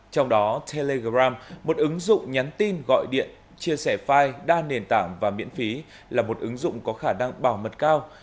trong đó telegram một ứng dụng nhắn tin gọi điện chia sẻ file đa nền tảng và miễn phí là một ứng dụng có khả năng bảo mật cao